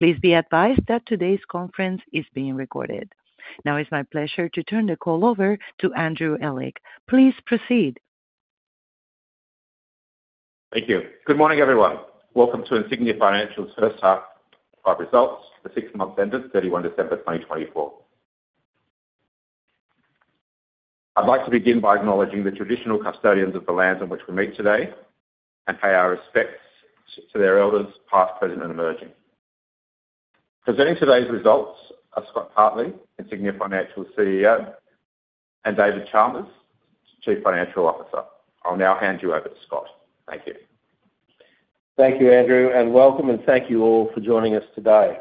Please be advised that today's conference is being recorded. Now, it's my pleasure to turn the call over to Andrew Ehlich. Please proceed. Thank you. Good morning, everyone. Welcome to Insignia Financial's First Half of our results, the six-month end of 31 December 2024. I'd like to begin by acknowledging the traditional custodians of the lands on which we meet today and pay our respects to their elders, past, present, and emerging. Presenting today's results are Scott Hartley, Insignia Financial's CEO, and David Chalmers, Chief Financial Officer. I'll now hand you over to Scott. Thank you. Thank you, Andrew, and welcome, and thank you all for joining us today.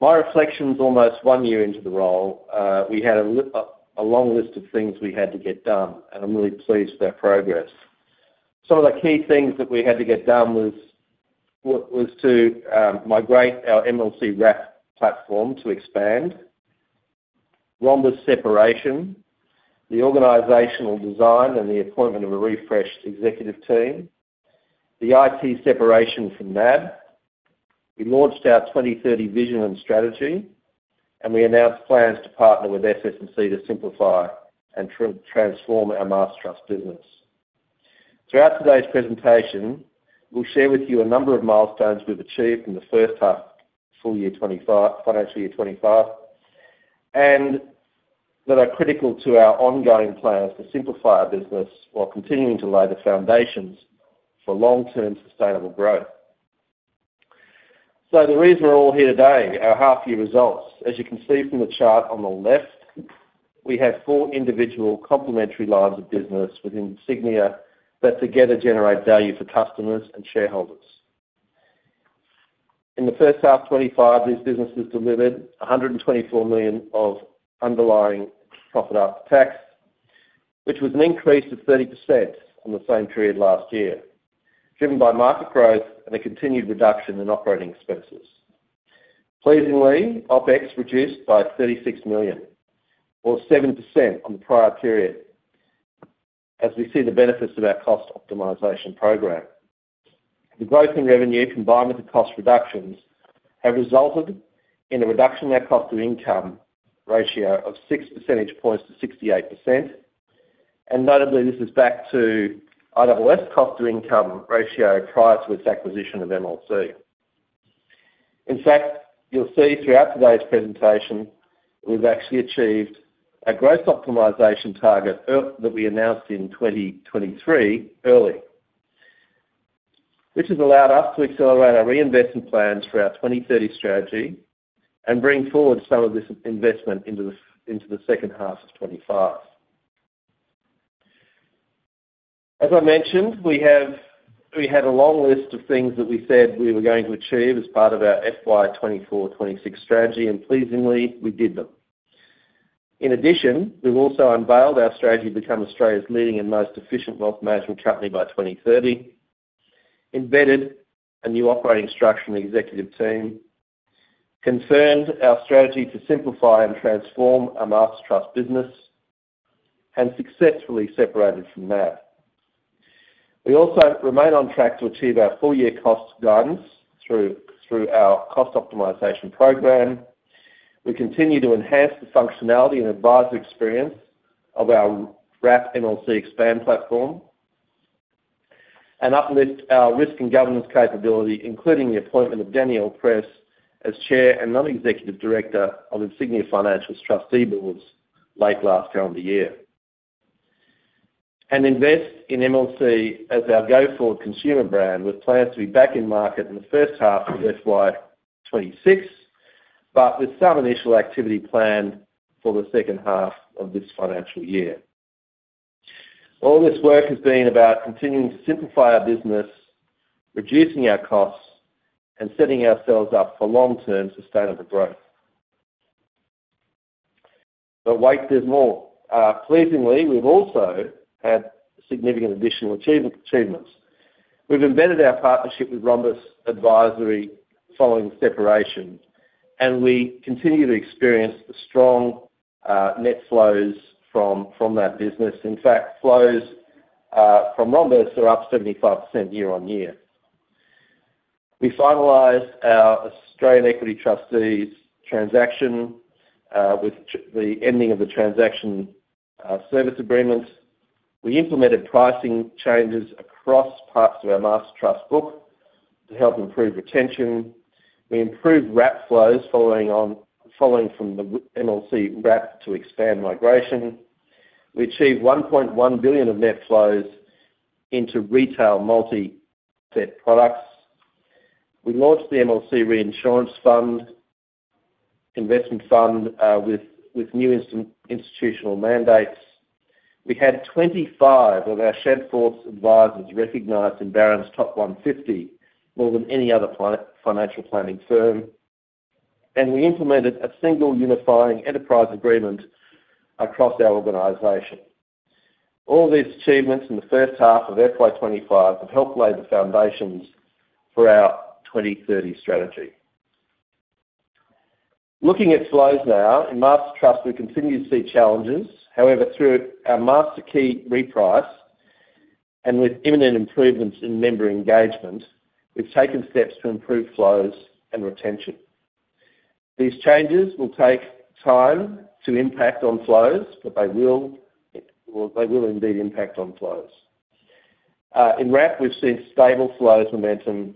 My reflections almost one year into the role, we had a long list of things we had to get done, and I'm really pleased with our progress. Some of the key things that we had to get done was to migrate our MLC Wrap platform to Expand, Rhombus separation, the organizational design, and the appointment of a refreshed Executive Team, the IT separation from NAB. We launched our 2030 Vision and Strategy, and we announced plans to partner with SS&C to simplify and transform our mastertrust business. Throughout today's presentation, we'll share with you a number of milestones we've achieved in the first half of financial year 2025 and that are critical to our ongoing plans to simplify our business while continuing to lay the foundations for long-term sustainable growth. The reason we're all here today, our half-year results, as you can see from the chart on the left, we have four individual complementary lines of business within Insignia that together generate value for customers and shareholders. In the first half of 2025, these businesses delivered 124 million of underlying profit after tax, which was an increase of 30% on the same period last year, driven by market growth and a continued reduction in operating expenses. Pleasingly, OpEx reduced by 36 million, or 7% on the prior period, as we see the benefits of our cost optimization program. The growth in revenue, combined with the cost reductions, has resulted in a reduction in our cost-to-income ratio of 6 percentage points to 68%, and notably, this is back to IOOF cost-to-income ratio prior to its acquisition of MLC. In fact, you'll see throughout today's presentation, we've actually achieved a growth optimization target that we announced in 2023 early, which has allowed us to accelerate our reinvestment plans for our 2030 strategy and bring forward some of this investment into the second half of 2025. As I mentioned, we had a long list of things that we said we were going to achieve as part of our FY 24-26 strategy, and pleasingly, we did them. In addition, we've also unveiled our strategy to become Australia's leading and most efficient wealth management company by 2030, embedded a new operating structure in the executive team, confirmed our strategy to simplify and transform our mastertrust business, and successfully separated from NAB. We also remain on track to achieve our full-year cost guidance through our cost optimization program. We continue to enhance the functionality and advisor experience of our Wrap MLC Expand platform and uplift our risk and governance capability, including the appointment of Danielle Press as Chair and Non-Executive Director of Insignia Financial's trustee boards late last calendar year, and invest in MLC as our go-forward consumer brand with plans to be back in market in the first half of FY 26, but with some initial activity planned for the second half of this financial year. All this work has been about continuing to simplify our business, reducing our costs, and setting ourselves up for long-term sustainable growth. But wait, there's more. Pleasingly, we've also had significant additional achievements. We've embedded our partnership with Rhombus Advisory following separation, and we continue to experience strong net flows from that business. In fact, flows from Rhombus are up 75% year on year. We finalized our Equity Trustees transaction with the ending of the Transaction Service Agreement. We implemented pricing changes across parts of our mastertrust book to help improve retention. We improved Wrap flows following from the MLC Wrap to Expand migration. We achieved 1.1 billion of net flows into retail multi-asset products. We launched the MLC Reinsurance Investment Fund with new institutional mandates. We had 25 of our Shadforth advisors recognized in Barron's Top 150, more than any other financial planning firm, and we implemented a single unifying enterprise agreement across our organization. All these achievements in the first half of FY 25 have helped lay the foundations for our 2030 strategy. Looking at flows now, in mastertrust, we continue to see challenges. However, through our MasterKey reprice and with imminent improvements in member engagement, we've taken steps to improve flows and retention. These changes will take time to impact on flows, but they will indeed impact on flows. In Wrap, we've seen stable flows momentum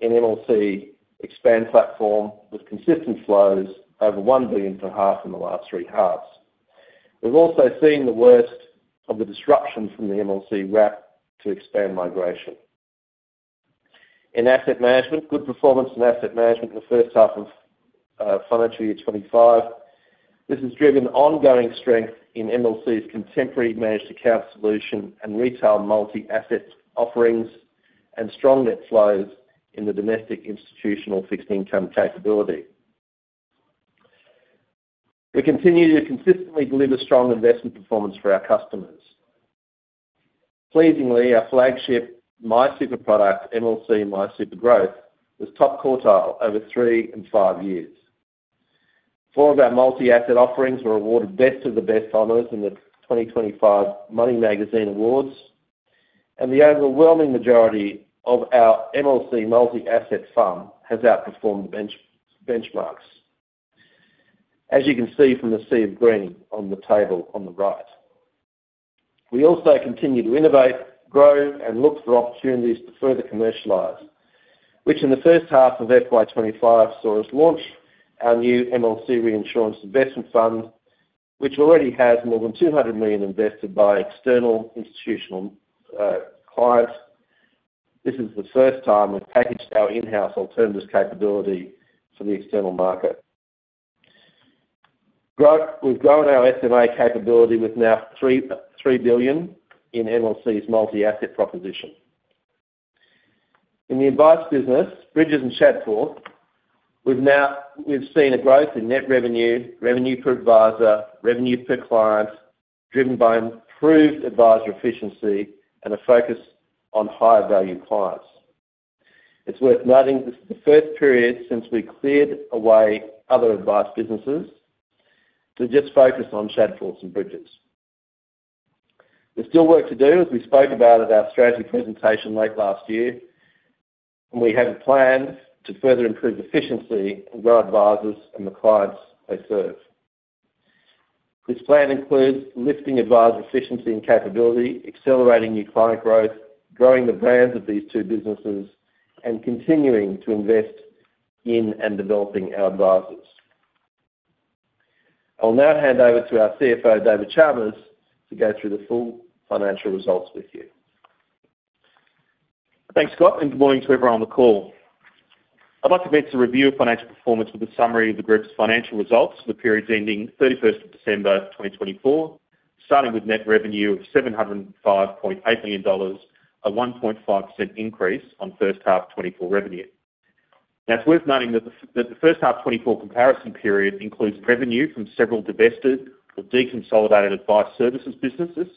in MLC Expand platform with consistent flows over 1.5 billion in the last three halves. We've also seen the worst of the disruption from the MLC Wrap to Expand migration. In asset management, good performance in asset management in the first half of financial year 2025. This has driven ongoing strength in MLC's contemporary managed account solution and retail multi-asset offerings and strong net flows in the domestic institutional fixed income capability. We continue to consistently deliver strong investment performance for our customers. Pleasingly, our flagship MySuper product, MLC MySuper Growth, was top quartile over three and five years. Four of our multi-asset offerings were awarded Best of the Best honors in the 2025 Money Magazine Awards, and the overwhelming majority of our MLC multi-asset fund has outperformed the benchmarks, as you can see from the sea of green on the table on the right. We also continue to innovate, grow, and look for opportunities to further commercialize, which in the first half of FY 25 saw us launch our new MLC Reinsurance Investment Fund, which already has more than 200 million invested by external institutional clients. This is the first time we've packaged our in-house alternative capability for the external market. We've grown our SMA capability with now 3 billion in MLC's multi-asset proposition. In the advisor business, Bridges and Shadforth, we've seen a growth in net revenue, revenue per advisor, revenue per client, driven by improved advisor efficiency and a focus on higher value clients. It's worth noting this is the first period since we cleared away other advisor businesses to just focus on Shadforth and Bridges. There's still work to do, as we spoke about at our strategy presentation late last year, and we have a plan to further improve efficiency and grow advisors and the clients they serve. This plan includes lifting advisor efficiency and capability, accelerating new client growth, growing the brands of these two businesses, and continuing to invest in and developing our advisors. I'll now hand over to our CFO, David Chalmers, to go through the full financial results with you. Thanks, Scott, and good morning to everyone on the call. I'd like to advance a review of financial performance with a summary of the group's financial results for the period ending 31 December 2024, starting with net revenue of 705.8 million dollars, a 1.5% increase on first half 2024 revenue. Now, it's worth noting that the first half 2024 comparison period includes revenue from several divested or deconsolidated advisor services businesses,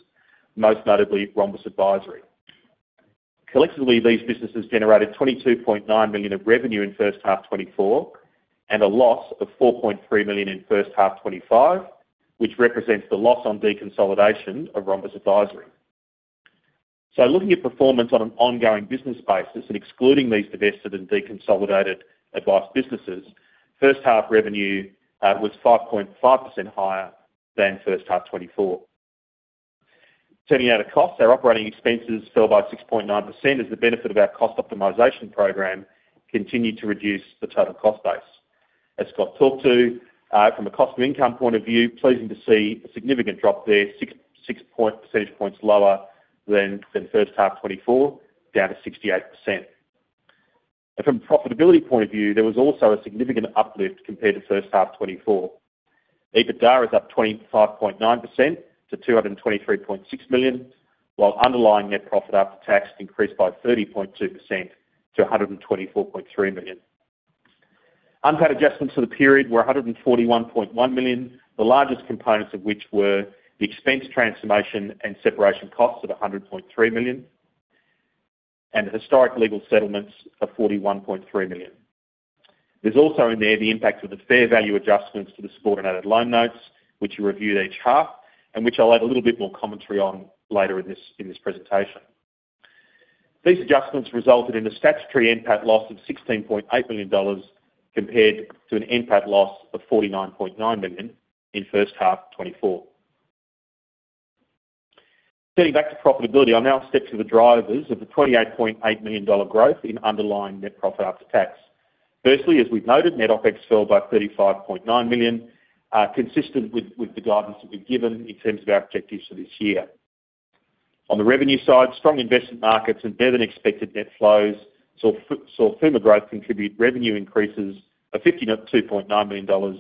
most notably Rhombus Advisory. Collectively, these businesses generated 22.9 million of revenue in first half 2024 and a loss of 4.3 million in first half 2025, which represents the loss on deconsolidation of Rhombus Advisory. So looking at performance on an ongoing business basis and excluding these divested and deconsolidated advisor businesses, first half revenue was 5.5% higher than first half 2024. Turning out of costs, our operating expenses fell by 6.9% as the benefit of our cost optimization program continued to reduce the total cost base. As Scott talked to, from a cost to income point of view, pleasing to see a significant drop there, 6% points lower than first half 2024, down to 68%. And from a profitability point of view, there was also a significant uplift compared to first half 2024. EBITDA is up 25.9% to 223.6 million, while underlying net profit after tax increased by 30.2% to 124.3 million. Unusual adjustments for the period were 141.1 million, the largest components of which were the expense transformation and separation costs at 100.3 million and the historic legal settlements of 41.3 million. There's also in there the impact of the fair value adjustments to the subordinated loan notes, which are reviewed each half and which I'll add a little bit more commentary on later in this presentation. These adjustments resulted in a statutory NPAT loss of 16.8 million dollars compared to an NPAT loss of 49.9 million in first half 2024. Turning back to profitability, I'll now step to the drivers of the 28.8 million dollar growth in underlying net profit after tax. Firstly, as we've noted, net OpEx fell by 35.9 million, consistent with the guidance that we've given in terms of our objectives for this year. On the revenue side, strong investment markets and better than expected net flows saw FUMA growth contribute revenue increases of 52.9 million dollars,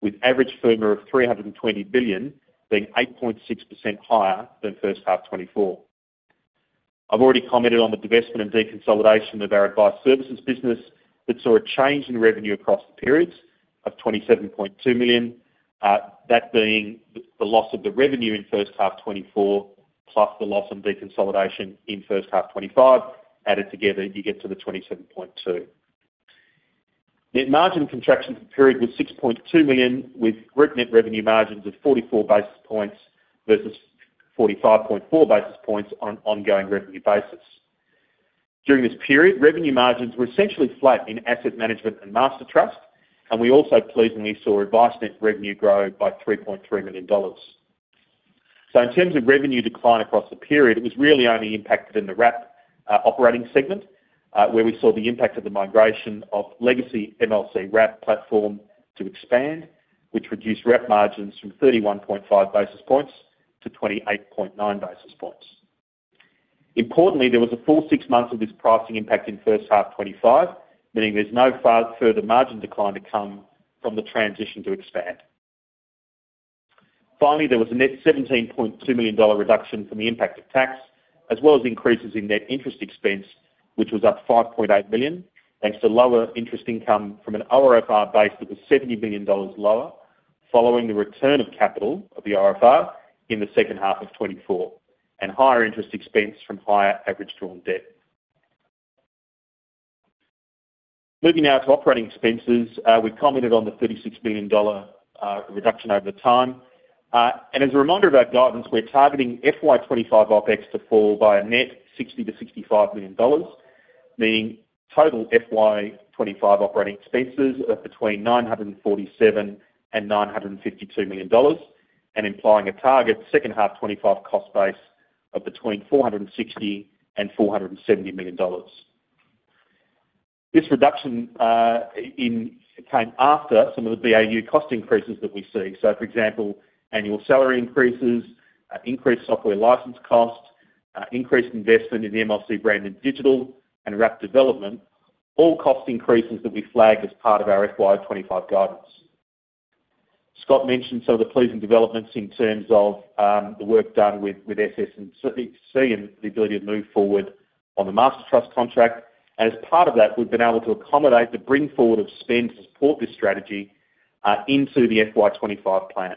with average FUMA of 320 billion being 8.6% higher than first half 2024. I've already commented on the divestment and deconsolidation of our advisor services business that saw a change in revenue across the periods of 27.2 million, that being the loss of the revenue in first half 2024 plus the loss on deconsolidation in first half 2025. Added together, you get to the 27.2. Net margin contraction period was 6.2 million, with group net revenue margins of 44 basis points versus 45.4 basis points on an ongoing revenue basis. During this period, revenue margins were essentially flat in asset management and mastertrust, and we also pleasingly saw advisor net revenue grow by 3.3 million dollars. So in terms of revenue decline across the period, it was really only impacted in the Wrap operating segment, where we saw the impact of the migration of legacy MLC Wrap platform to Expand, which reduced Wrap margins from 31.5 basis points to 28.9 basis points. Importantly, there was a full six months of this pricing impact in first half 2025, meaning there's no further margin decline to come from the transition to Expand. Finally, there was a net 17.2 million dollar reduction from the impact of tax, as well as increases in net interest expense, which was up 5.8 million, thanks to lower interest income from an ORFR base that was 70 million dollars lower following the return of capital of the ORFR in the second half of 2024 and higher interest expense from higher average drawn debt. Moving now to operating expenses, we've commented on the 36 million dollar reduction over time. As a reminder of our guidance, we're targeting FY 25 OpEx to fall by a net 60 to 65 million, meaning total FY 25 operating expenses of between 947 and 952 million and implying a target second half '25 cost base of between 460 and 470 million. This reduction came after some of the BAU cost increases that we see. So, for example, annual salary increases, increased software license costs, increased investment in MLC branded digital, and Wrap development, all cost increases that we flagged as part of our FY 25 guidance. Scott mentioned some of the pleasing developments in terms of the work done with SS&C and the ability to move forward on the mastertrust contract. And as part of that, we've been able to accommodate the bring forward of spend to support this strategy into the FY 25 plan.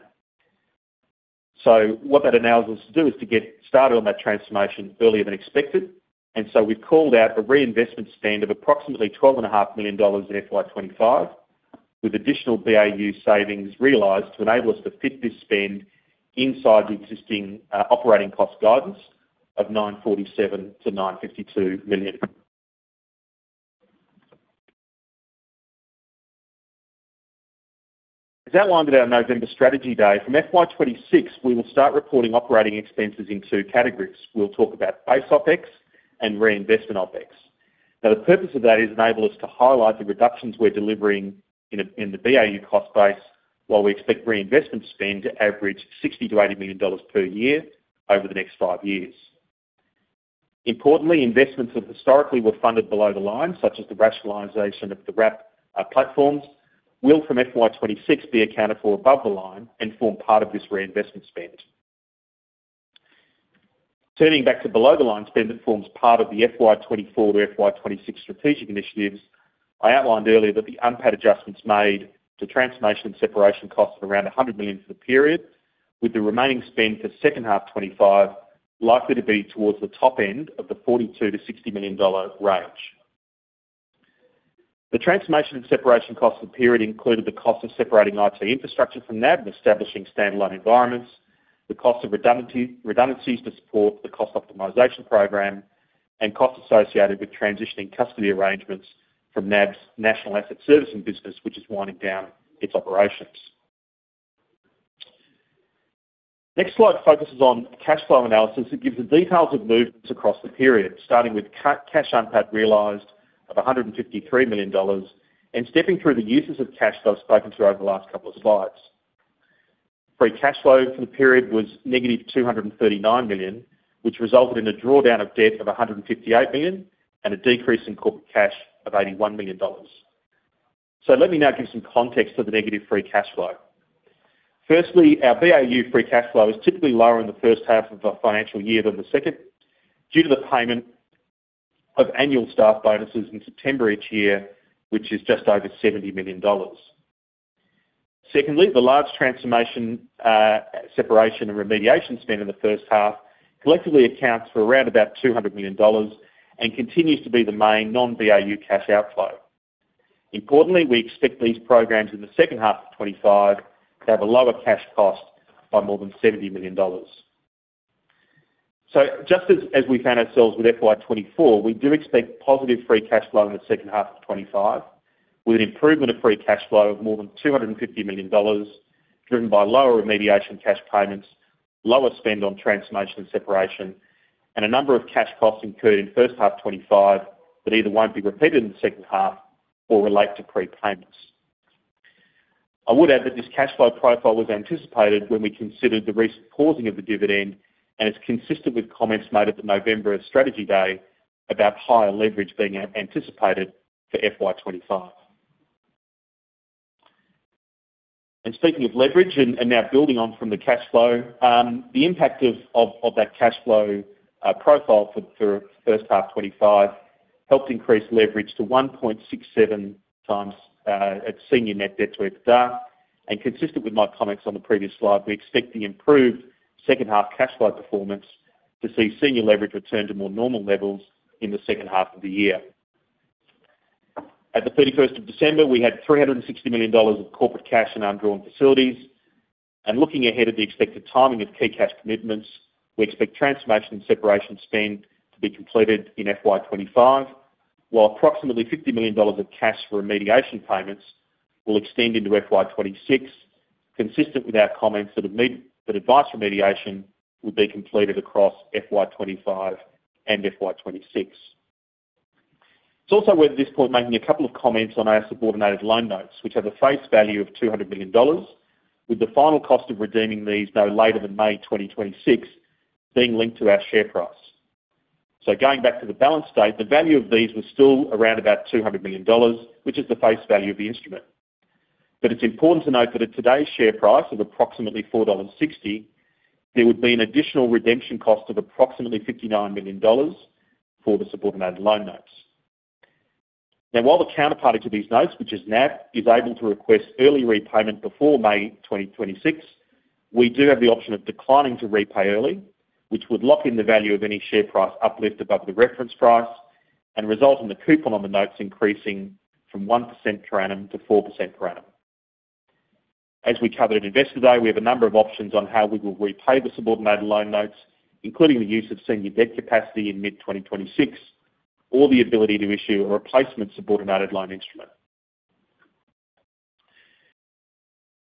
So what that allows us to do is to get started on that transformation earlier than expected. And so we've called out a reinvestment spend of approximately 12.5 million dollars in FY 2025, with additional BAU savings realized to enable us to fit this spend inside the existing operating cost guidance of 947 to 952 million. As outlined at our November strategy day, from FY 2026, we will start reporting operating expenses in two categories. We'll talk about base OpEx and reinvestment OpEx. Now, the purpose of that is to enable us to highlight the reductions we're delivering in the BAU cost base while we expect reinvestment spend to average 60 to 80 million per year over the next five years. Importantly, investments that historically were funded below the line, such as the rationalization of the Wrap platforms, will from FY 26 be accounted for above the line and form part of this reinvestment spend. Turning back to below the line spend that forms part of the FY 24 to FY 26 strategic initiatives, I outlined earlier that the one-off adjustments made to transformation and separation costs of around 100 million for the period, with the remaining spend for second half 2025 likely to be towards the top end of the 42 to 60 million range. The transformation and separation costs of the period included the cost of separating IT infrastructure from NAB and establishing standalone environments, the cost of redundancies to support the cost optimization program, and costs associated with transitioning custody arrangements from NAB's National Asset Services business, which is winding down its operations. Next slide focuses on cash flow analysis that gives the details of movements across the period, starting with cash inflows realized of 153 million dollars and stepping through the uses of cash that I've spoken to over the last couple of slides. Free cash flow for the period was negative 239 million, which resulted in a drawdown of debt of 158 million and a decrease in corporate cash of 81 million dollars. So let me now give some context to the negative free cash flow. Firstly, our BAU free cash flow is typically lower in the first half of a financial year than the second due to the payment of annual staff bonuses in September each year, which is just over 70 million dollars. Secondly, the large transformation separation and remediation spend in the first half collectively accounts for around about 200 million dollars and continues to be the main non-BAU cash outflow. Importantly, we expect these programs in the second half of 2025 to have a lower cash cost by more than 70 million dollars. So just as we found ourselves with FY 2024, we do expect positive free cash flow in the second half of 2025, with an improvement of free cash flow of more than 250 million dollars driven by lower remediation cash payments, lower spend on transformation and separation, and a number of cash costs incurred in first half 2025 that either won't be repeated in the second half or relate to prepayments. I would add that this cash flow profile was anticipated when we considered the recent pausing of the dividend and is consistent with comments made at the November strategy day about higher leverage being anticipated for FY 2025. Speaking of leverage, and now building on from the cash flow, the impact of that cash flow profile for first half 2025 helped increase leverage to 1.67 times at senior net debt to EBITDA. And consistent with my comments on the previous slide, we expect the improved second half cash flow performance to see senior leverage return to more normal levels in the second half of the year. At the 31 December, we had 360 million dollars of corporate cash and undrawn facilities. And looking ahead at the expected timing of key cash commitments, we expect transformation and separation spend to be completed in FY 2025, while approximately 50 million dollars of cash for remediation payments will extend into FY 2026, consistent with our comments that advice remediation will be completed across FY 2025 and FY 2026. It's also worth at this point making a couple of comments on our subordinated loan notes, which have a face value of 200 million dollars, with the final cost of redeeming these no later than May 2026 being linked to our share price. So going back to the balance sheet, the value of these was still around about 200 million dollars, which is the face value of the instrument. But it's important to note that at today's share price of approximately 4.60 dollars, there would be an additional redemption cost of approximately 59 million dollars for the subordinated loan notes. Now, while the counterparty to these notes, which is NAB, is able to request early repayment before May 2026, we do have the option of declining to repay early, which would lock in the value of any share price uplift above the reference price and result in the coupon on the notes increasing from 1% per annum to 4% per annum. As we covered at investor day, we have a number of options on how we will repay the subordinated loan notes, including the use of senior debt capacity in mid-2026 or the ability to issue a replacement subordinated loan instrument.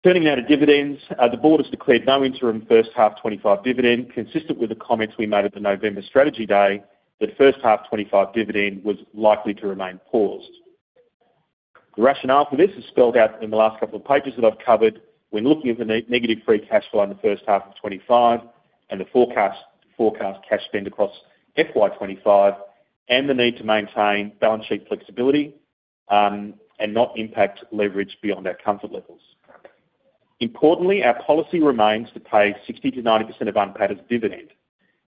Turning now to dividends, the board has declared no interim first half 2025 dividend, consistent with the comments we made at the November strategy day that first half 2025 dividend was likely to remain paused. The rationale for this is spelled out in the last couple of pages that I've covered when looking at the negative free cash flow in the first half of 2025 and the forecast cash spend across FY 2025 and the need to maintain balance sheet flexibility and not impact leverage beyond our comfort levels. Importantly, our policy remains to pay 60% to 90% of unpaid dividend,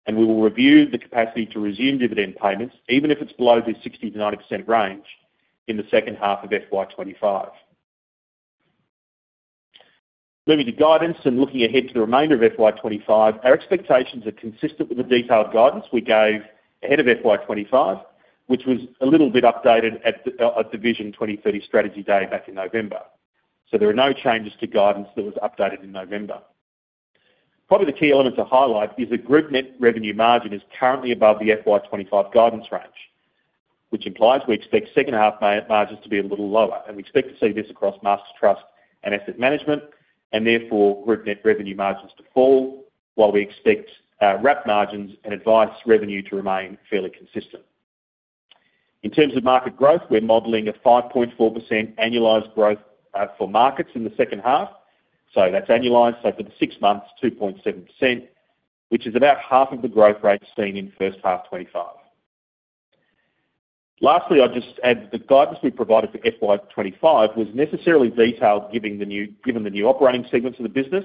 and we will review the capacity to resume dividend payments, even if it's below the 60% to 90% range in the second half of FY 2025. Moving to guidance and looking ahead to the remainder of FY 2025, our expectations are consistent with the detailed guidance we gave ahead of FY 2025, which was a little bit updated at the Vision 2030 strategy day back in November. So there are no changes to guidance that was updated in November. Probably the key element to highlight is that group net revenue margin is currently above the FY 2025 guidance range, which implies we expect second half margins to be a little lower, and we expect to see this across mastertrust and Asset Management and therefore group net revenue margins to fall, while we expect Wrap margins and advice revenue to remain fairly consistent. In terms of market growth, we're modeling a 5.4% annualized growth for markets in the second half. So that's annualized, so for the six months, 2.7%, which is about half of the growth rate seen in first half 2025. Lastly, I'll just add that the guidance we provided for FY 2025 was necessarily detailed given the new operating segments of the business,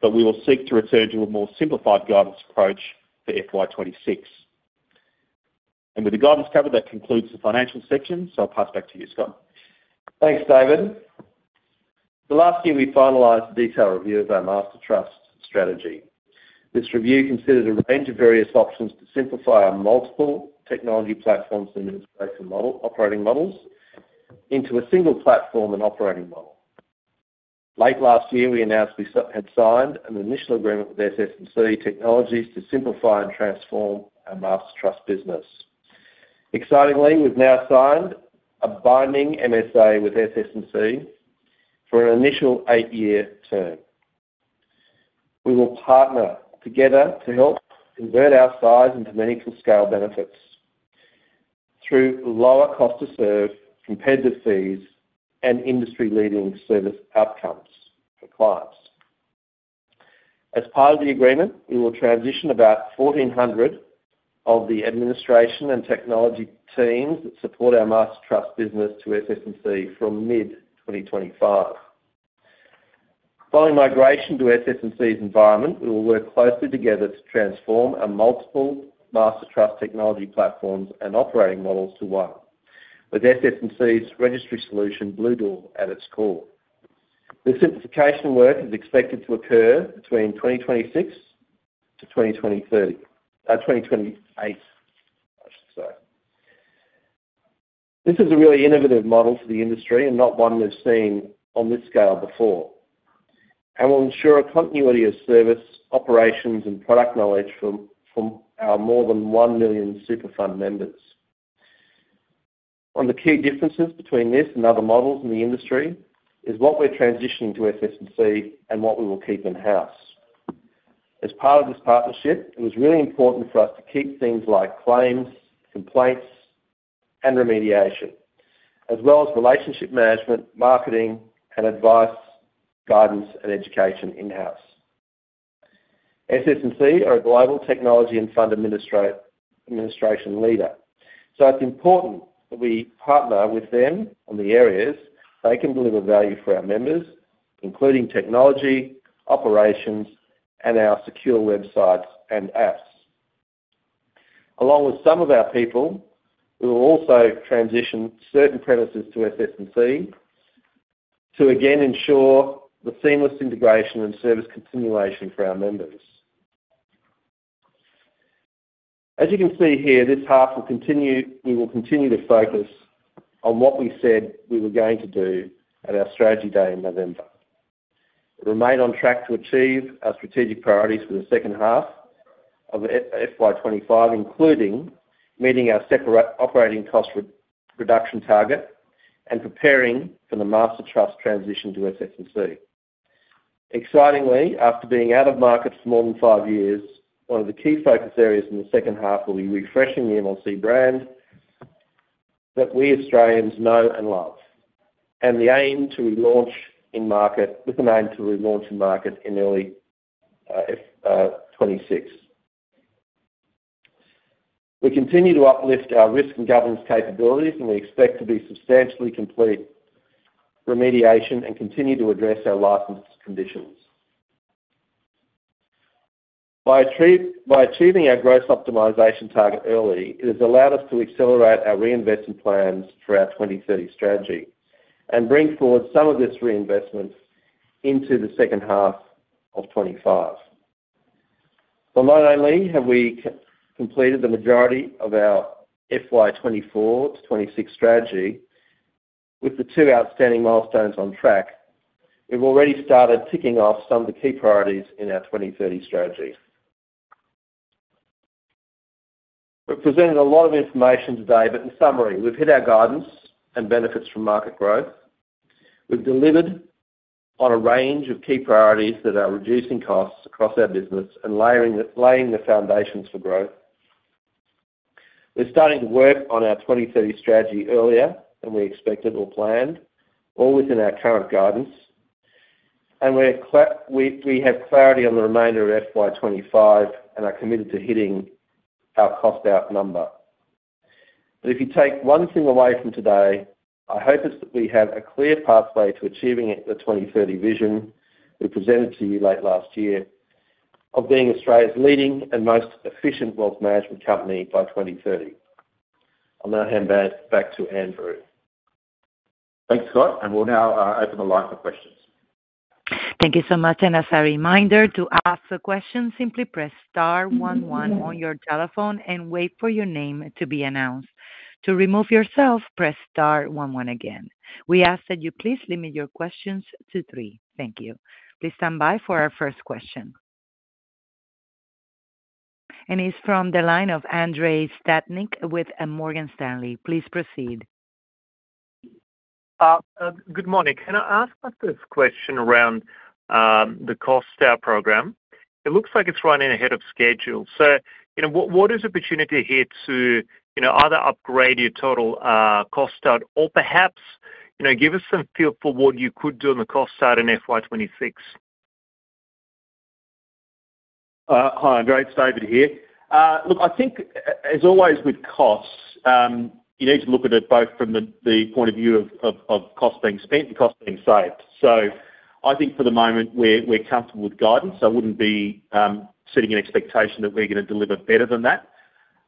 but we will seek to return to a more simplified guidance approach for FY 2026, and with the guidance covered, that concludes the financial section. So I'll pass back to you, Scott. Thanks, David. Over the last year, we finalized a detailed review of our mastertrust strategy. This review considered a range of various options to simplify our multiple technology platforms and operating models into a single platform and operating model. Late last year, we announced we had signed an initial agreement with SS&C Technologies to simplify and transform our mastertrust business. Excitingly, we've now signed a binding MSA with SS&C for an initial eight-year term. We will partner together to help convert our size into meaningful scale benefits through lower cost to serve, competitive fees, and industry-leading service outcomes for clients. As part of the agreement, we will transition about 1,400 of the administration and technology teams that support our mastertrust business to SS&C from mid-2025. Following migration to SS&C's environment, we will work closely together to transform our multiple mastertrust technology platforms and operating models to one, with SS&C's registry solution, Bluedoor, at its core. The simplification work is expected to occur between 2026 to 2028. This is a really innovative model for the industry and not one we've seen on this scale before. We'll ensure a continuity of service, operations, and product knowledge from our more than one million super fund members. One of the key differences between this and other models in the industry is what we're transitioning to SS&C and what we will keep in-house. As part of this partnership, it was really important for us to keep things like claims, complaints, and remediation, as well as relationship management, marketing, and advice, guidance, and education in-house. SS&C are a global technology and fund administration leader. It's important that we partner with them on the areas they can deliver value for our members, including technology, operations, and our secure websites and apps. Along with some of our people, we will also transition certain premises to SS&C to again ensure the seamless integration and service continuation for our members. As you can see here, this half will continue. We will continue to focus on what we said we were going to do at our strategy day in November. We remain on track to achieve our strategic priorities for the second half of FY 2025, including meeting our separate operating cost reduction target and preparing for the mastertrust transition to SS&C. Excitingly, after being out of market for more than five years, one of the key focus areas in the second half will be refreshing the MLC brand that we Australians know and love, and the aim to relaunch in market with the name in early 2026. We continue to uplift our risk and governance capabilities, and we expect to be substantially complete remediation and continue to address our licensed conditions. By achieving our gross optimization target early, it has allowed us to accelerate our reinvestment plans for our 2030 strategy and bring forward some of this reinvestment into the second half of 2025. Not only have we completed the majority of our FY 2024 to 2026 strategy with the two outstanding milestones on track, we've already started ticking off some of the key priorities in our 2030 strategy. We've presented a lot of information today, but in summary, we've hit our guidance and benefited from market growth. We've delivered on a range of key priorities that are reducing costs across our business and laying the foundations for growth. We're starting to work on our 2030 strategy earlier than we expected or planned, all within our current guidance, and we have clarity on the remainder of FY 25 and are committed to hitting our cost out number, but if you take one thing away from today, I hope it's that we have a clear pathway to achieving the 2030 vision we presented to you late last year of being Australia's leading and most efficient wealth management company by 2030. I'll now hand back to Andrew. Thanks, Scott. And we'll now open the line for questions. Thank you so much. And as a reminder, to ask a question, simply press star one one on your telephone and wait for your name to be announced. To remove yourself, press star one one again. We ask that you please limit your questions to three. Thank you. Please stand by for our first question. And it's from the line of Andrei Stadnik with Morgan Stanley. Please proceed. Good morning. Can I ask about this question around the cost out program? It looks like it's running ahead of schedule. So what is the opportunity here to either upgrade your total cost out or perhaps give us some feel for what you could do on the cost out in FY 26? Hi, Andrei. It's David here. Look, I think, as always with costs, you need to look at it both from the point of view of cost being spent and cost being saved. So I think for the moment, we're comfortable with guidance. I wouldn't be setting an expectation that we're going to deliver better than that.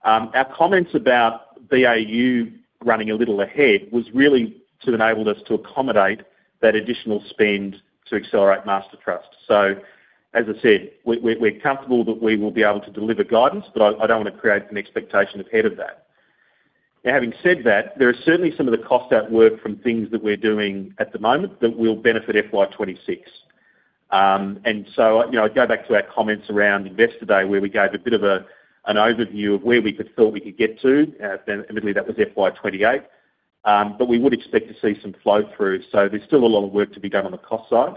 Our comments about BAU running a little ahead was really to enable us to accommodate that additional spend to accelerate mastertrust. So, as I said, we're comfortable that we will be able to deliver guidance, but I don't want to create an expectation ahead of that. Now, having said that, there are certainly some of the cost out work from things that we're doing at the moment that will benefit FY 26. And so I'd go back to our comments around Investor Day where we gave a bit of an overview of where we thought we could get to. Admittedly, that was FY 28. But we would expect to see some flow through. There's still a lot of work to be done on the cost side,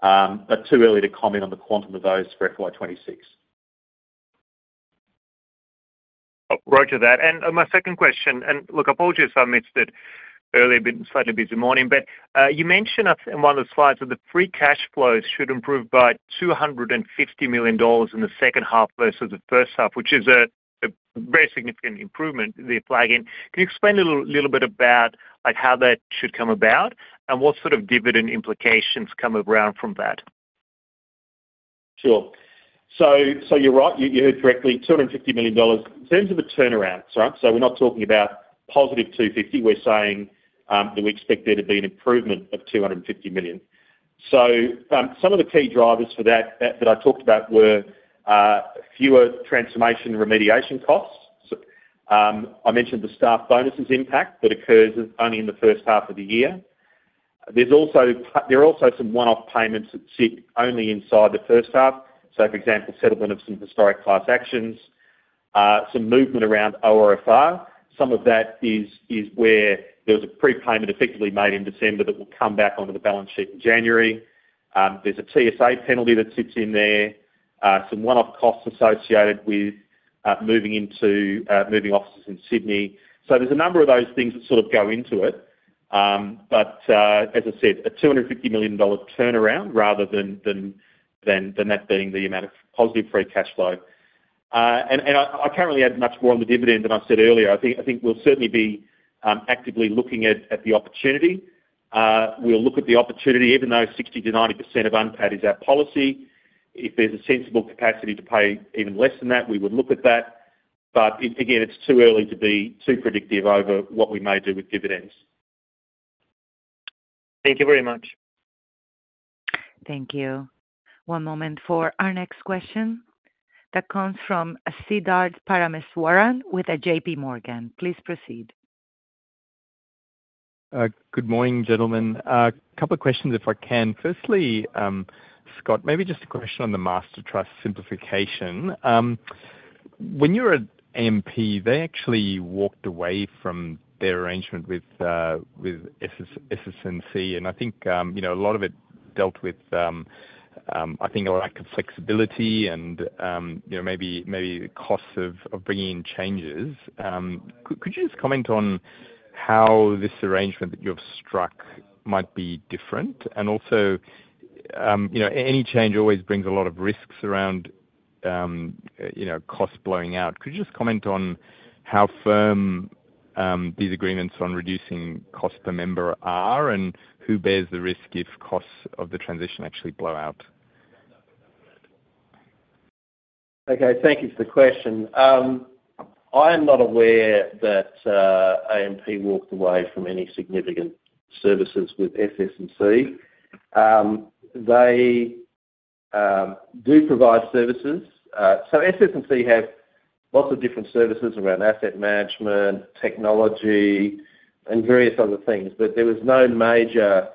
but it's too early to comment on the quantum of those for FY 26. Right to that and my second question. Look, I apologize if I missed it earlier this slightly busy morning. But you mentioned in one of the slides that the free cash flows should improve by 250 million dollars in the second half versus the first half, which is a very significant improvement they're flagging. Can you explain a little bit about how that should come about and what sort of dividend implications come around from that? Sure. You're right. You heard correctly, AUD 250 million. In terms of the turnaround, we're not talking about positive 250. We're saying that we expect there to be an improvement of 250 million. Some of the key drivers for that I talked about were fewer transformation remediation costs. I mentioned the staff bonuses impact that occurs only in the first half of the year. There are also some one-off payments that sit only inside the first half. For example, settlement of some historic class actions, some movement around ORFR. Some of that is where there was a prepayment effectively made in December that will come back onto the balance sheet in January. There's a TSA penalty that sits in there, some one-off costs associated with moving offices in Sydney. So there's a number of those things that sort of go into it. As I said, a 250 million dollars turnaround rather than that being the amount of positive free cash flow. I can't really add much more on the dividend than I said earlier. I think we'll certainly be actively looking at the opportunity. We'll look at the opportunity, even though 60%-90% of unpaid is our policy. If there's a sensible capacity to pay even less than that, we would look at that. But, again, it's too early to be too predictive over what we may do with dividends. Thank you very much. Thank you. One moment for our next question that comes from Siddharth Parameswaran with JPMorgan. Please proceed. Good morning, gentlemen. A couple of questions if I can. Firstly, Scott, maybe just a question on the mastertrust simplification. When you were at AMP, they actually walked away from their arrangement with SS&C. And I think a lot of it dealt with, I think, a lack of flexibility and maybe the cost of bringing in changes. Could you just comment on how this arrangement that you've struck might be different? And also, any change always brings a lot of risks around costs blowing out. Could you just comment on how firm these agreements on reducing cost per member are and who bears the risk if costs of the transition actually blow out? Okay. Thank you for the question. I am not aware that AMP walked away from any significant services with SS&C. They do provide services, so SS&C has lots of different services around asset management, technology, and various other things. But there was no major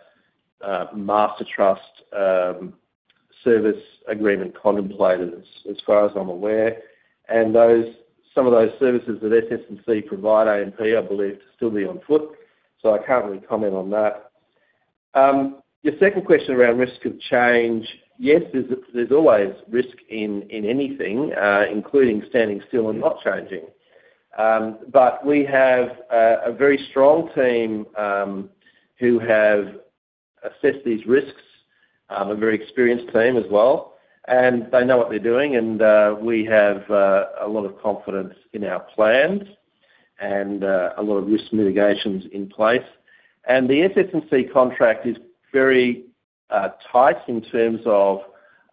mastertrust service agreement contemplated as far as I'm aware, and some of those services that SS&C provide AMP, I believe, to still be on foot, so I can't really comment on that. Your second question around risk of change, yes, there's always risk in anything, including standing still and not changing. But we have a very strong team who have assessed these risks, a very experienced team as well. And they know what they're doing. And we have a lot of confidence in our plans and a lot of risk mitigations in place. And the SS&C contract is very tight in terms of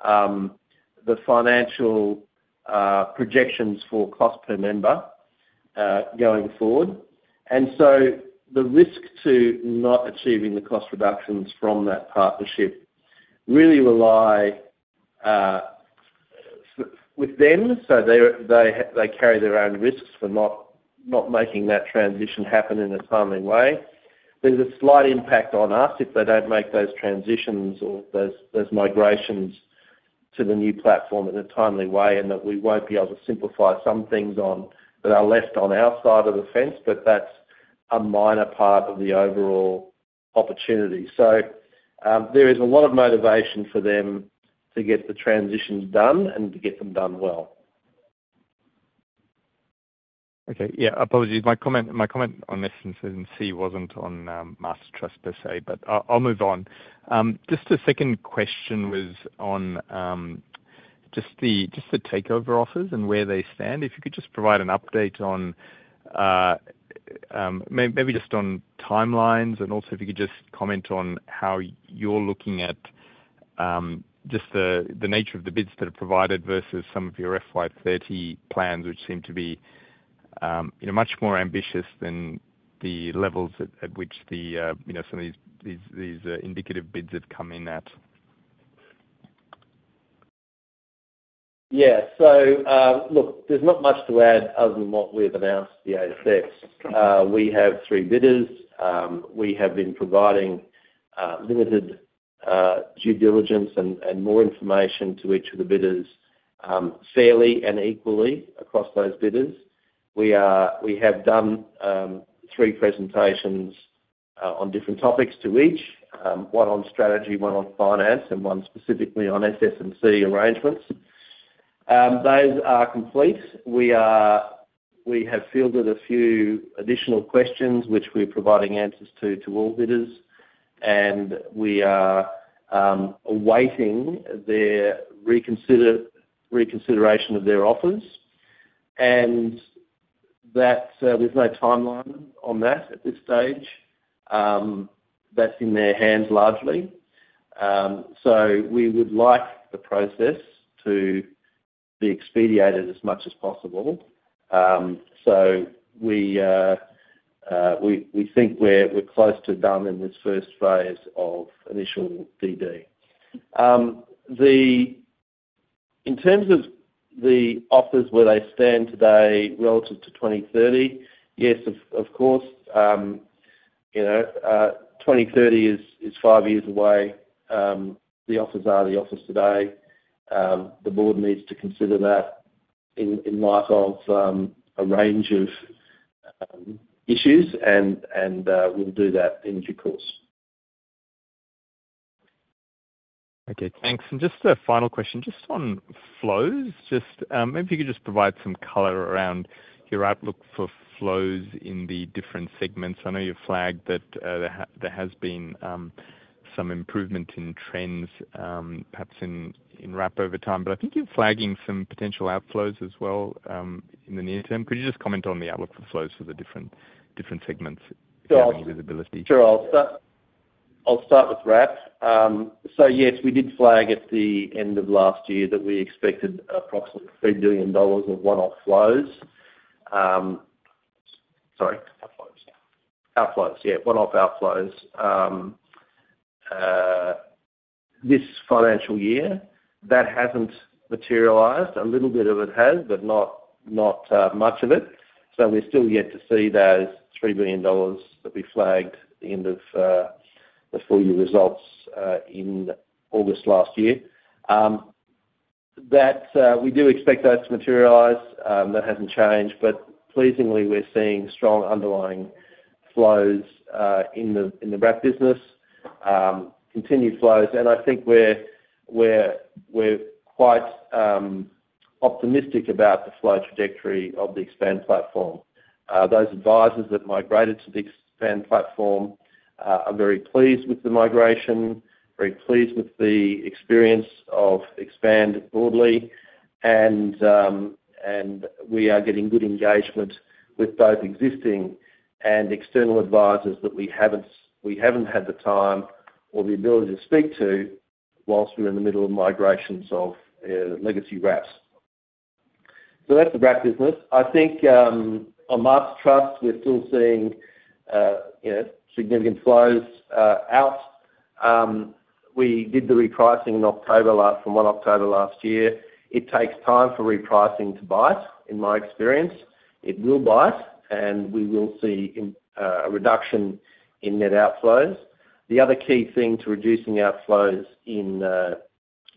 the financial projections for cost per member going forward. And so the risk to not achieving the cost reductions from that partnership really relies with them. So they carry their own risks for not making that transition happen in a timely way. There's a slight impact on us if they don't make those transitions or those migrations to the new platform in a timely way and that we won't be able to simplify some things that are left on our side of the fence, but that's a minor part of the overall opportunity. So there is a lot of motivation for them to get the transitions done and to get them done well. Okay. Yeah. Apologies. My comment on SS&C wasn't on mastertrust per se, but I'll move on. Just a second question was on just the takeover offers and where they stand. If you could just provide an update on maybe just on timelines and also if you could just comment on how you're looking at just the nature of the bids that are provided versus some of your FY 30 plans, which seem to be much more ambitious than the levels at which some of these indicative bids have come in at? Yeah. So, look, there's not much to add other than what we've announced the 8th. We have three bidders. We have been providing limited due diligence and more information to each of the bidders fairly and equally across those bidders. We have done three presentations on different topics to each, one on strategy, one on finance, and one specifically on SS&C arrangements. Those are complete. We have fielded a few additional questions, which we're providing answers to all bidders. And we are awaiting their reconsideration of their offers. There's no timeline on that at this stage. That's in their hands largely. So we would like the process to be expedited as much as possible. So we think we're close to done in this first phase of initial DD. In terms of the offers where they stand today relative to 2030, yes, of course. 2030 is five years away. The offers are the offers today. The board needs to consider that in light of a range of issues, and we'll do that in due course. Okay. Thanks. Just a final question, just on flows. Maybe if you could just provide some color around your outlook for flows in the different segments. I know you've flagged that there has been some improvement in trends, perhaps in wrap over time. But I think you're flagging some potential outflows as well in the near term. Could you just comment on the outlook for flows for the different segments? If you have any visibility. Sure. I'll start with Wrap. So, yes, we did flag at the end of last year that we expected approximately 3 billion dollars of one-off flows. Sorry. Outflows. Outflows. Yeah. One-off outflows this financial year. That hasn't materialized. A little bit of it has, but not much of it. So we're still yet to see those 3 billion dollars that we flagged at the end of the full year results in August last year. We do expect those to materialize. That hasn't changed. But, pleasingly, we're seeing strong underlying flows in the Wrap business, continued flows. And I think we're quite optimistic about the flow trajectory of the Expand platform. Those advisors that migrated to the Expand platform are very pleased with the migration, very pleased with the experience of Expand broadly. We are getting good engagement with both existing and external advisors that we haven't had the time or the ability to speak to while we were in the middle of migrations of legacy wraps. So that's the wrap business. I think on mastertrust, we're still seeing significant flows out. We did the repricing in October from 1 October last year. It takes time for repricing to bite, in my experience. It will bite, and we will see a reduction in net outflows. The other key thing to reducing outflows in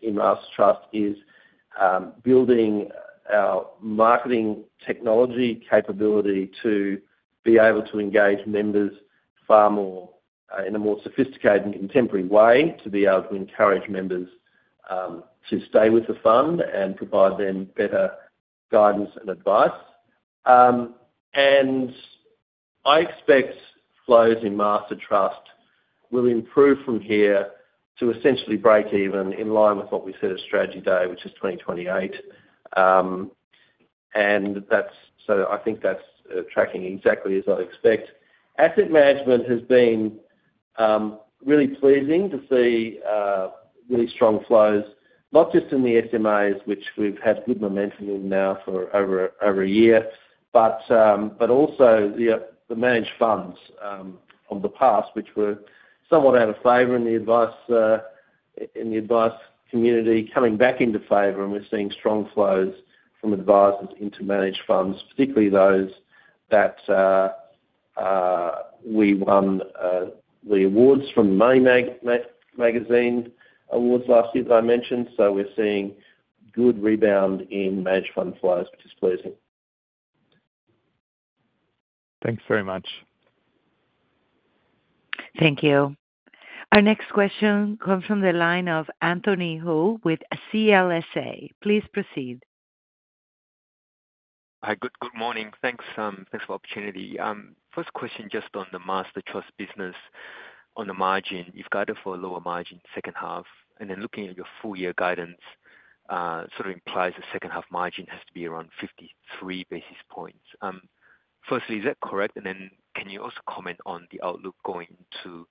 mastertrust is building our marketing technology capability to be able to engage members far more in a more sophisticated and contemporary way to be able to encourage members to stay with the fund and provide them better guidance and advice. I expect flows in mastertrust will improve from here to essentially break even in line with what we said at strategy day, which is 2028. And so I think that's tracking exactly as I expect. Asset management has been really pleasing to see really strong flows, not just in the SMAs, which we've had good momentum in now for over a year, but also the managed funds from the past, which were somewhat out of favor in the advice community, coming back into favor. And we're seeing strong flows from advisors into managed funds, particularly those that we won the awards from Money Magazine awards last year that I mentioned. So we're seeing good rebound in managed fund flows, which is pleasing. Thanks very much. Thank you. Our next question comes from the line of Anthony Hoo with CLSA. Please proceed. Hi. Good morning. Thanks for the opportunity. First question just on the mastertrust business on the margin. You've got it for a lower margin second half. And then looking at your full year guidance sort of implies the second half margin has to be around 53 basis points. Firstly, is that correct? And then can you also comment on the outlook going to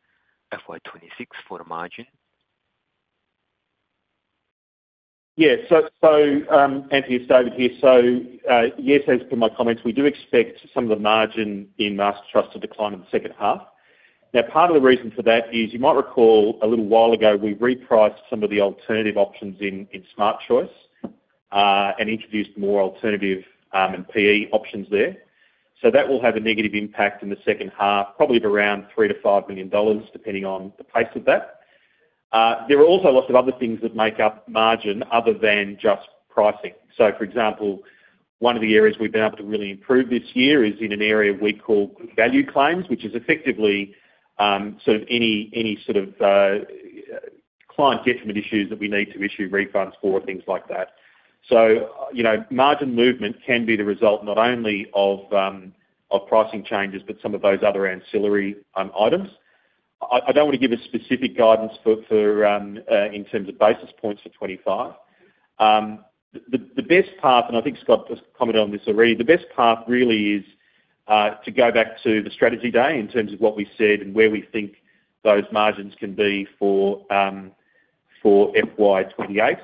FY 2026 for the margin? Yeah. So, Anthony Scott here. So, yes, as per my comments, we do expect some of the margin in mastertrust to decline in the second half. Now, part of the reason for that is you might recall a little while ago we repriced some of the alternative options in Smart Choice and introduced more alternative and PE options there. So that will have a negative impact in the second half, probably of around 3 to 5 million, depending on the pace of that. There are also lots of other things that make up margin other than just pricing. So, for example, one of the areas we've been able to really improve this year is in an area we call good value claims, which is effectively sort of any sort of client detriment issues that we need to issue refunds for or things like that. So margin movement can be the result not only of pricing changes, but some of those other ancillary items. I don't want to give a specific guidance in terms of basis points for 2025. The best path, and I think Scott has commented on this already, the best path really is to go back to the strategy day in terms of what we said and where we think those margins can be for FY 2028.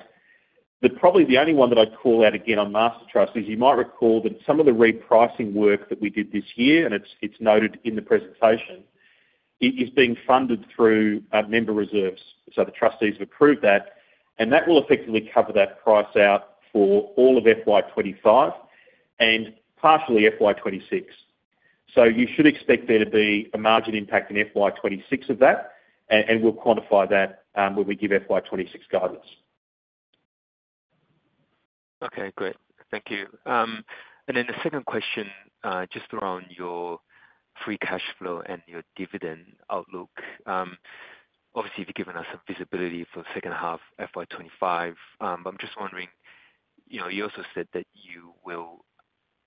But probably the only one that I'd call out again on mastertrust is you might recall that some of the repricing work that we did this year, and it's noted in the presentation, is being funded through member reserves. So the trustees have approved that. And that will effectively cover that price out for all of FY 25 and partially FY 26. So you should expect there to be a margin impact in FY 26 of that. And we'll quantify that when we give FY 26 guidance. Okay. Great. Thank you. And then the second question just around your free cash flow and your dividend outlook. Obviously, you've given us some visibility for second half FY 25. I'm just wondering, you also said that you will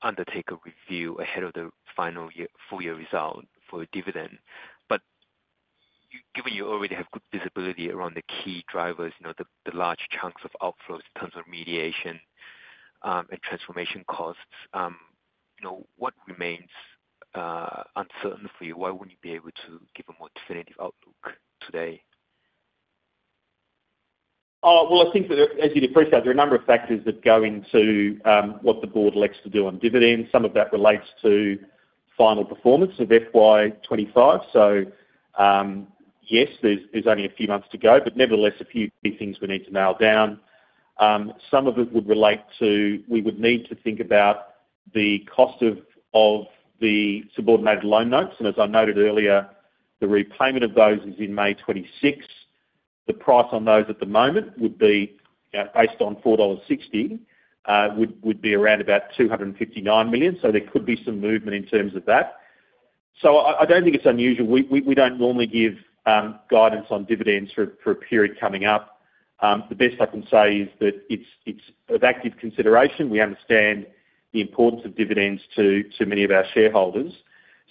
undertake a review ahead of the final full year result for dividend. Given you already have good visibility around the key drivers, the large chunks of outflows in terms of remediation and transformation costs, what remains uncertain for you? Why wouldn't you be able to give a more definitive outlook today? Well, I think that, as you'd appreciate, there are a number of factors that go into what the board elects to do on dividends. Some of that relates to final performance of FY 2025. So, yes, there's only a few months to go. But nevertheless, a few things we need to nail down. Some of it would relate to we would need to think about the cost of the subordinated loan notes. And as I noted earlier, the repayment of those is in May 2026. The price on those at the moment would be based on 4.60 dollars, would be around about 259 million. So there could be some movement in terms of that. So I don't think it's unusual. We don't normally give guidance on dividends for a period coming up. The best I can say is that it's of active consideration. We understand the importance of dividends to many of our shareholders.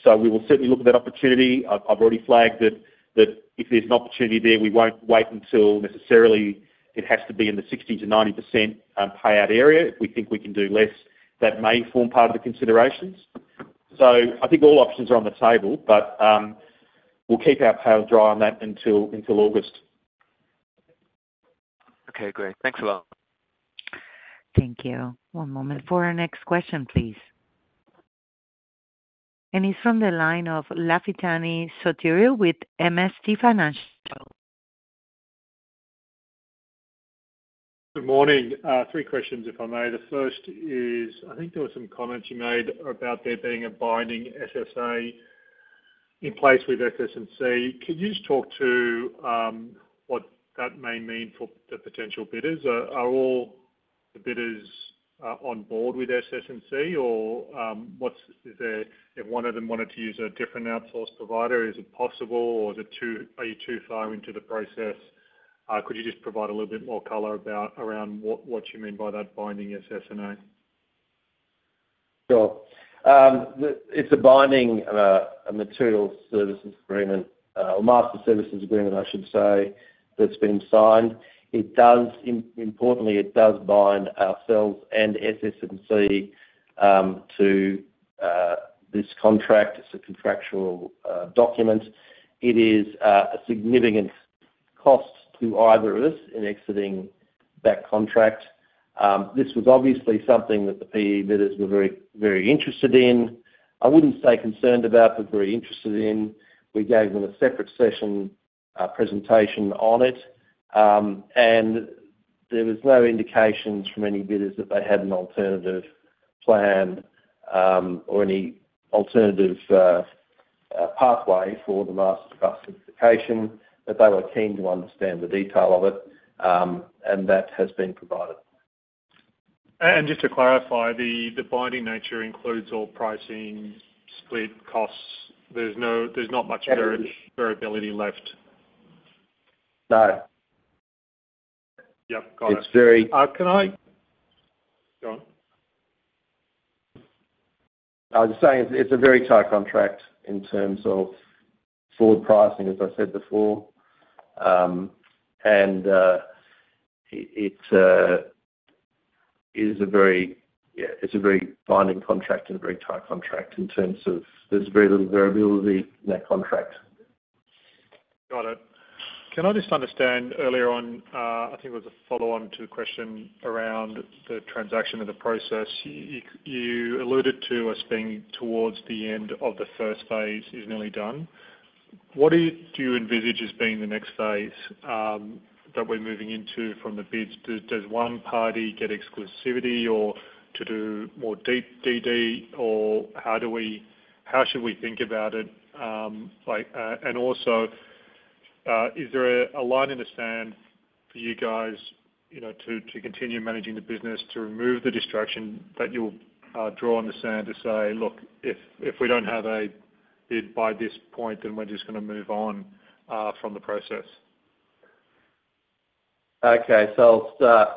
So we will certainly look at that opportunity. I've already flagged that if there's an opportunity there, we won't wait until necessarily it has to be in the 60%-90% payout area. If we think we can do less, that may form part of the considerations. So I think all options are on the table, but we'll keep our powder dry on that until August. Okay. Great. Thanks a lot. Thank you. One moment for our next question, please. And he's from the line of Lafitani Sotiriou with MST Financial. Good morning. Three questions, if I may. The first is, I think there were some comments you made about there being a binding MSA in place with SS&C. Could you just talk to what that may mean for the potential bidders? Are all the bidders on board with SS&C? Or if one of them wanted to use a different outsource provider, is it possible? Or are you too far into the process? Could you just provide a little bit more color around what you mean by that binding MSA? Sure. It's a binding master services agreement, or master services agreement, I should say, that's been signed. Importantly, it does bind ourselves and SS&C to this contract. It's a contractual document. It is a significant cost to either of us in exiting that contract. This was obviously something that the PE bidders were very interested in. I wouldn't say concerned about, but very interested in. We gave them a separate session presentation on it. And there was no indication from any bidders that they had an alternative plan or any alternative pathway for the mastertrust certification. But they were keen to understand the detail of it. And that has been provided. And just to clarify, the binding nature includes all pricing, split, costs. There's not much variability left. No. Yep. Got it. It's very good one. I was just saying it's a very tight contract in terms of forward pricing, as I said before. And it is a very binding contract and a very tight contract in terms of there's very little variability in that contract. Got it. Can I just understand earlier on, I think it was a follow-on to the question around the transaction process, you alluded to us being towards the end of the first phase is nearly done. What do you envisage as being the next phase that we're moving into from the bids? Does one party get exclusivity or to do more deep DD? Or how should we think about it? And also, is there a line in the sand for you guys to continue managing the business to remove the distraction that you'll draw in the sand to say, "Look, if we don't have a bid by this point, then we're just going to move on from the process"? Okay. So I'll start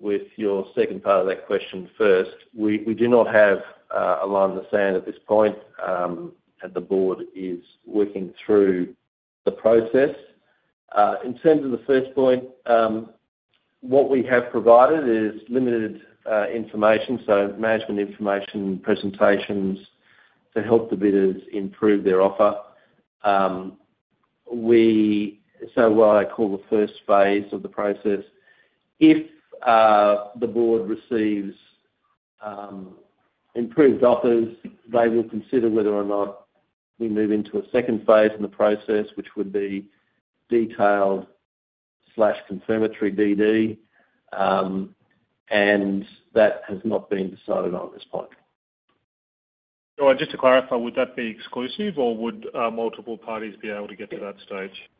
with your second part of that question first. We do not have a line in the sand at this point, and the board is working through the process. In terms of the first point, what we have provided is limited information, so management information, presentations to help the bidders improve their offer. So what I call the first phase of the process, if the board receives improved offers, they will consider whether or not we move into a second phase in the process, which would be detailed confirmatory DD. And that has not been decided on at this point. So just to clarify, would that be exclusive? Or would multiple parties be able to get to that stage?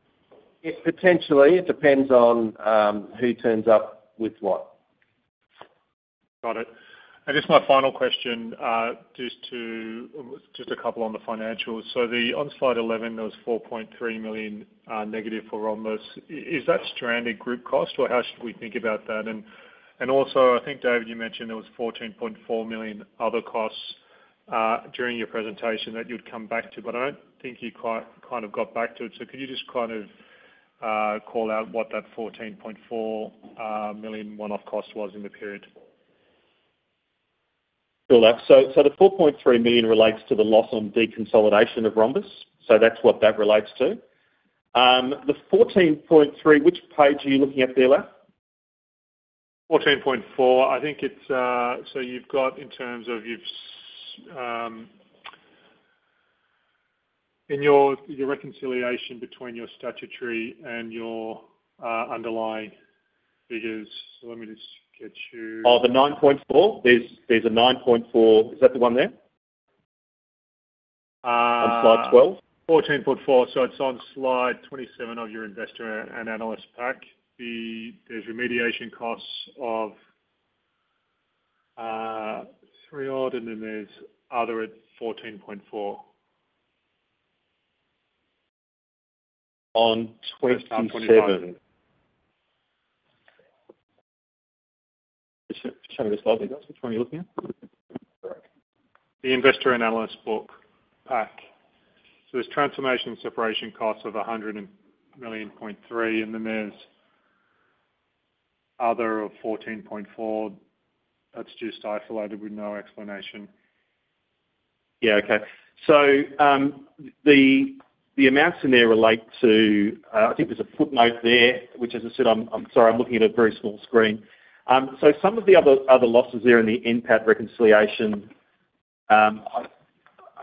Potentially. It depends on who turns up with what. Got it. And just my final question, just a couple on the financials. So on slide 11, there was negative 4.3 million for Rhombus. Is that stranded group cost? Or how should we think about that? And also, I think, David, you mentioned there was 14.4 million other costs during your presentation that you'd come back to. But I don't think you kind of got back to it. So could you just kind of call out what that 14.4 million one-off cost was in the period? So the 4.3 million relates to the loss on deconsolidation of Rhombus. So that's what that relates to. The 14.3, which page are you looking at there left? 14.4. I think it's so you've got in terms of in your reconciliation between your statutory and your underlying figures. So let me just get you. Oh, the 9.4? There's a 9.4. Is that the one there? On slide 12? 14.4. So it's on slide 27 of your investor and analyst pack. There's remediation costs of 3 odd. And then there's other at 14.4. On 27. Show me the slide, please. Which one are you looking at? The investor and analyst book pack. So there's transformation separation costs of 100.3 million. And then there's other of 14.4. That's just isolated with no explanation. Yeah. Okay. So the amounts in there relate to I think there's a footnote there, which, as I said, I'm sorry, I'm looking at a very small screen. So some of the other losses there in the NPAT reconciliation, I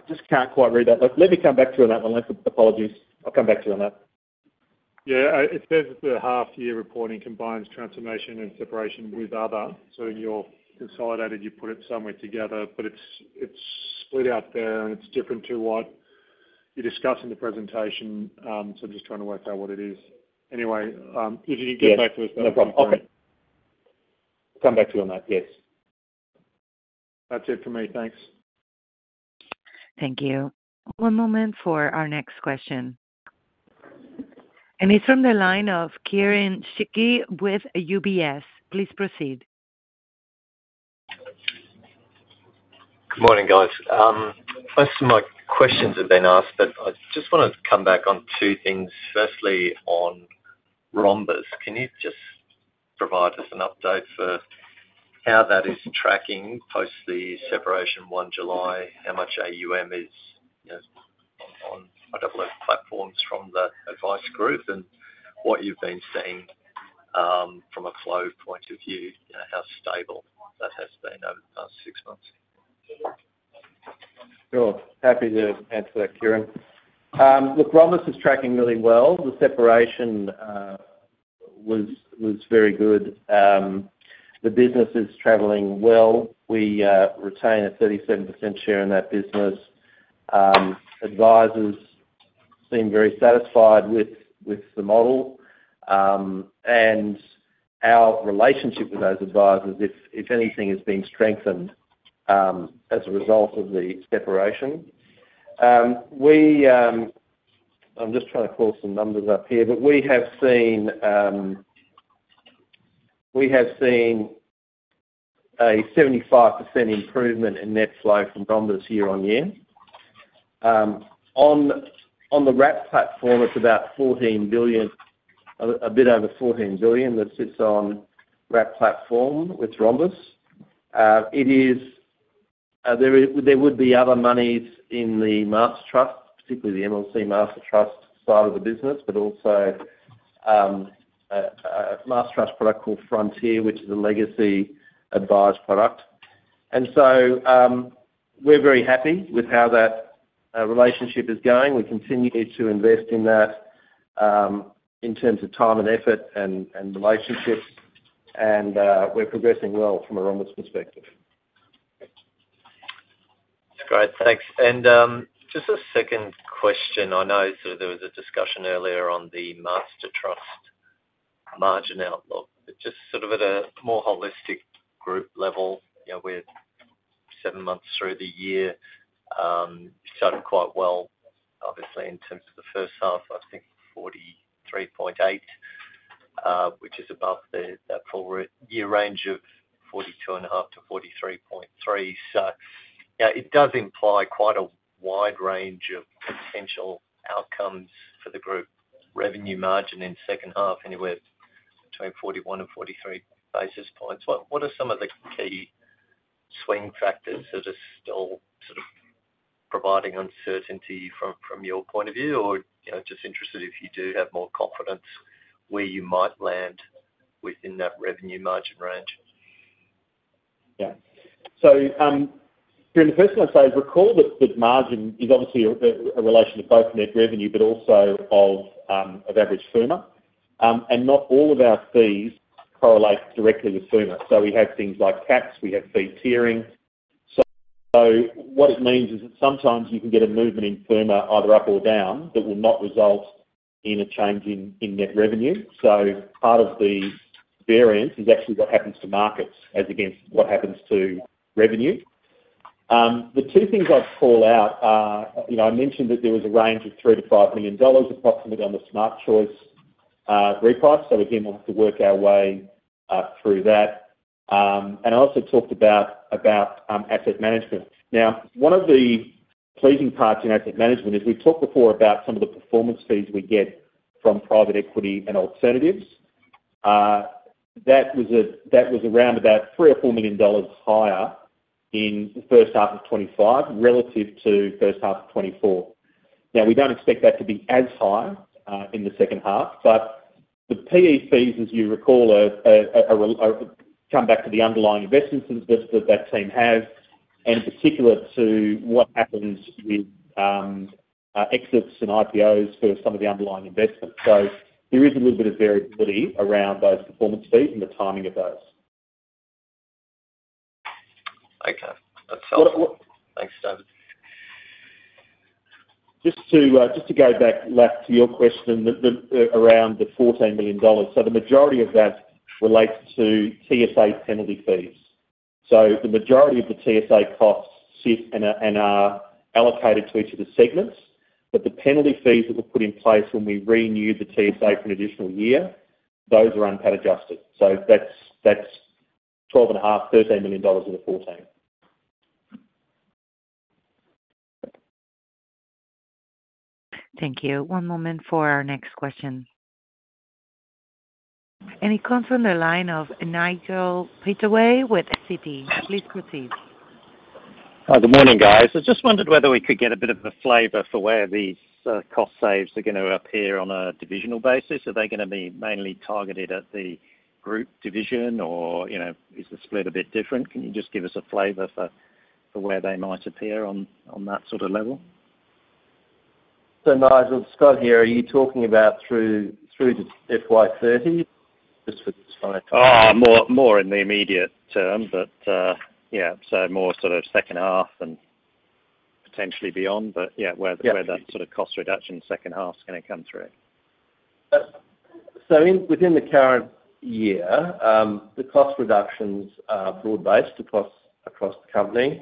just can't quite read that. Let me come back to you on that one. Apologies. I'll come back to you on that. Yeah. It says the half-year reporting combines transformation and separation with other. So in your consolidated, you put it somewhere together. But it's split out there. And it's different to what you discussed in the presentation. So I'm just trying to work out what it is. Anyway, could you get back to us about that? Yeah. No problem. Okay. Come back to you on that. Yes. That's it for me. Thanks. Thank you. One moment for our next question. And he's from the line of Kieren Chidgey with UBS. Please proceed. Good morning, guys. Most of my questions have been asked, but I just want to come back on two things. Firstly, on Rhombus. Can you just provide us an update for how that is tracking post the separation 1 July, how much AUM is on other platforms from the advice group, and what you've been seeing from a flow point of view, how stable that has been over the past six months? Sure. Happy to answer that, Kieran. Look, Rhombus is tracking really well. The separation was very good. The business is traveling well. We retain a 37% share in that business. Advisors seem very satisfied with the model. And our relationship with those advisors, if anything, has been strengthened as a result of the separation. I'm just trying to call some numbers up here. But we have seen a 75% improvement in net flow from Rhombus year on year. On the Wrap platform, it's about 14 billion, a bit over 14 billion that sits on Wrap platform with Rhombus. There would be other monies in the mastertrust, particularly the MLC mastertrust side of the business, but also a mastertrust product called Frontier, which is a legacy advisor product. And so we're very happy with how that relationship is going. We continue to invest in that in terms of time and effort and relationships. And we're progressing well from a Rhombus perspective. Great. Thanks. And just a second question. I know there was a discussion earlier on the mastertrust margin outlook. But just sort of at a more holistic group level, we're seven months through the year, so quite well, obviously, in terms of the first half, I think 43.8, which is above that full year range of 42.5 to 43.3. So it does imply quite a wide range of potential outcomes for the group. Revenue margin in second half, anywhere between 41 and 43 basis points. What are some of the key swing factors that are still sort of providing uncertainty from your point of view? Or just interested if you do have more confidence where you might land within that revenue margin range. Yeah. So during the first half phase, recall that the margin is obviously a relation of both net revenue, but also of average FUMA. And not all of our fees correlate directly with FUMA. So we have things like caps. We have fee tiering. What it means is that sometimes you can get a movement in FUMA either up or down that will not result in a change in net revenue. Part of the variance is actually what happens to markets as against what happens to revenue. The two things I'd call out are I mentioned that there was a range of 3 million-5 million dollars approximately on the Smart Choice reprice. Again, we'll have to work our way through that. I also talked about asset management. One of the pleasing parts in asset management is we've talked before about some of the performance fees we get from private equity and alternatives. That was around about 3 million or 4 million dollars higher in the first half of 2025 relative to first half of 2024. We don't expect that to be as high in the second half. But the PE fees, as you recall, come back to the underlying investments that that team has, and in particular to what happens with exits and IPOs for some of the underlying investments. So there is a little bit of variability around those performance fees and the timing of those. Okay. That's helpful. Thanks, David. Just to go back to your question around the 14 million dollars, so the majority of that relates to TSA penalty fees. So the majority of the TSA costs sit and are allocated to each of the segments. But the penalty fees that were put in place when we renewed the TSA for an additional year, those are UNPAT-adjusted. So that's 12.5-13 million dollars of the 14. Thank you. One moment for our next question. And he comes from the line of Nigel Pittaway with E&P. Please proceed. Hi. Good morning, guys. I just wondered whether we could get a bit of a flavor for where these cost saves are going to appear on a divisional basis. Are they going to be mainly targeted at the group division? Or is the split a bit different? Can you just give us a flavor for where they might appear on that sort of level? So Nigel, Scott here. Are you talking about through to FY30? Just for the finance. More in the immediate term. But yeah. So more sort of second half and potentially beyond. But yeah, where that sort of cost reduction second half's going to come through. So within the current year, the cost reductions are broad-based across the company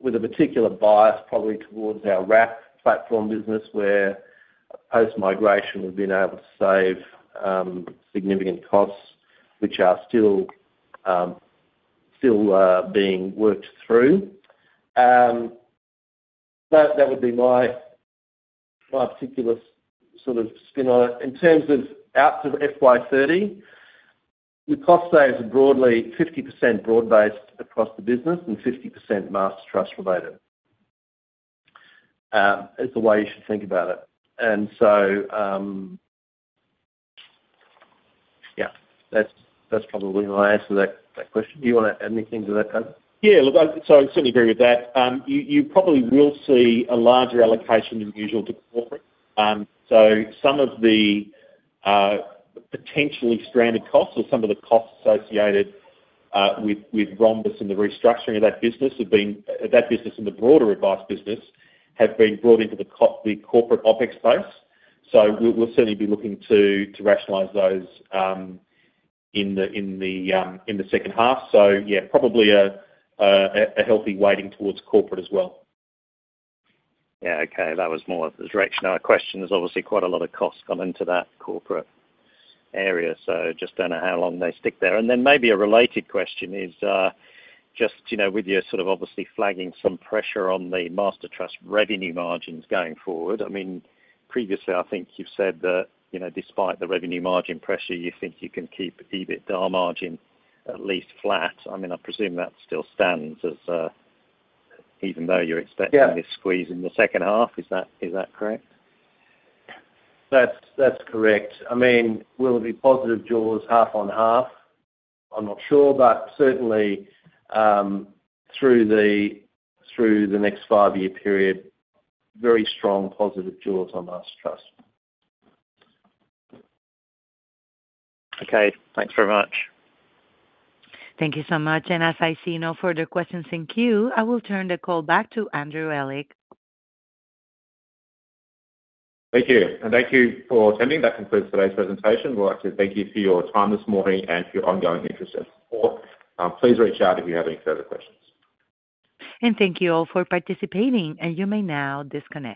with a particular bias probably towards our Wrap platform business where post-migration we've been able to save significant costs, which are still being worked through. That would be my particular sort of spin on it. In terms of out to FY30, the cost saves are broadly 50% broad-based across the business and 50% mastertrust related. That's the way you should think about it. And so yeah, that's probably my answer to that question. Do you want to add anything to that, David? Yeah. Look, so I certainly agree with that. You probably will see a larger allocation than usual to corporate. So some of the potentially stranded costs or some of the costs associated with Rhombus and the restructuring of that business have been that business and the broader advice business have been brought into the corporate OpEx space. So we'll certainly be looking to rationalize those in the second half. So yeah, probably a healthy weighting towards corporate as well. Yeah. Okay. That was more of the direction. Our question is obviously quite a lot of costs gone into that corporate area. So just don't know how long they stick there. And then maybe a related question is just with your sort of obviously flagging some pressure on the mastertrust revenue margins going forward. I mean, previously, I think you've said that despite the revenue margin pressure, you think you can keep EBITDA margin at least flat. I mean, I presume that still stands as even though you're expecting this squeeze in the second half. Is that correct? That's correct. I mean, will it be positive jaws half on half? I'm not sure. But certainly through the next five-year period, very strong positive jaws on mastertrust. Okay. Thanks very much. Thank you so much. And as I see no further questions in queue, I will turn the call back to Andrew Ehlich. Thank you. And thank you for attending. That concludes today's presentation. We'd like to thank you for your time this morning and for your ongoing interest and support. Please reach out if you have any further questions. And thank you all for participating. And you may now disconnect.